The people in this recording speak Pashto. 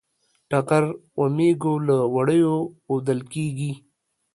ټغر و مېږو له وړیو وُودل کېږي.